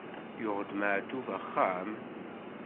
Yuɣ-d Maɛṭub axxam?